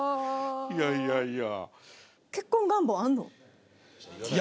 いやいやいや。